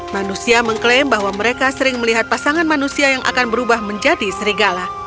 manusia mengklaim bahwa mereka sering melihat pasangan manusia yang akan berubah menjadi serigala